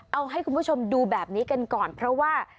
เอาให้คุณผู้ชมดูแบบนี้กันก่อนเพราะว่า